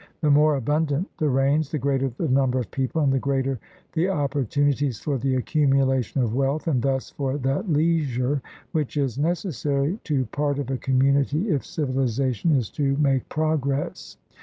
The more abundant the rains, the greater the number of people and the greater the opportunities for the accumulation of wealth, and thus for that leisure which is neces sary to part of a community if civilization is to make progress.